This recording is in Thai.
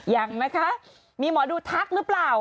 ยังนะคะมีหมอดูทักหรือเปล่า